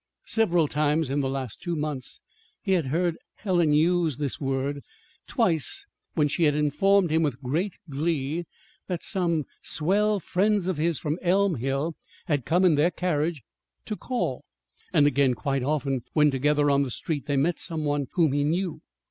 Several times in the last two months he had heard Helen use this word twice when she had informed him with great glee that some swell friends of his from Elm Hill had come in their carriage to call; and again quite often when together on the street they met some one whom he knew.